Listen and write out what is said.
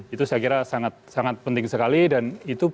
itu saya kira sangat sangat penting sekali dan itu perlu gerakan dari